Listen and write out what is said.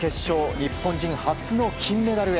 日本人初の金メダルへ。